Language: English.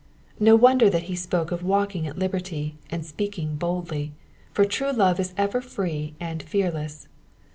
'* No wonder that he spoke of walking at liberty, and speaking boldly, for true love is ever free and fearless.